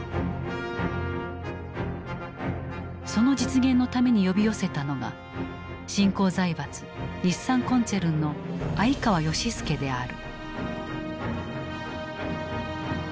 その実現のために呼び寄せたのが新興財閥日産コンツェルンの鮎川義介である。